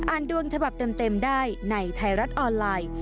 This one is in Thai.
ดวงฉบับเต็มได้ในไทยรัฐออนไลน์